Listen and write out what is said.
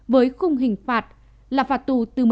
với khung hình phạt là phạt tù tư mến